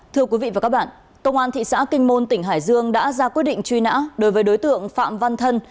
thưa quý vị và các bạn công an thị xã kinh môn tỉnh hải dương đã ra quyết định truy nã đối với đối tượng phạm văn thân